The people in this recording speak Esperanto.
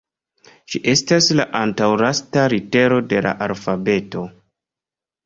Ĝi estas la antaŭlasta litero de la alfabeto.